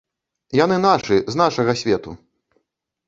Яны нашы, з нашага свету.